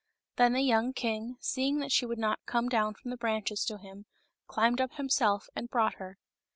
Then the young king, seeing that she would not come down from the branches to him, climbed up himself and brought her.